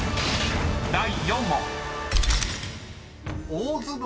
［第４問］